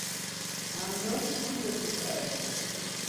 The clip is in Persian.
املاک او به پسرش رسید.